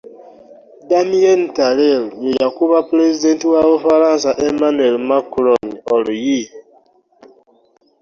Damien Tarel ye yakuba Pulezidenti wa Bufalansa Emmanuel Macron oluyi.